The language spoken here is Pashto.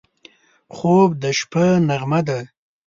خوب د شپه نغمه ده